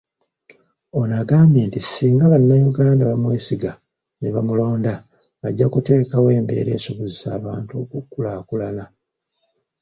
Ono agambye nti singa bannayuganda bamwesiga nebamulonda, ajja kuteekawo embeera esobozesa abantu okukulaakulana